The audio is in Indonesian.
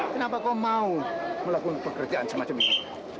kenapa kau mau melakukan pekerjaan semacam ini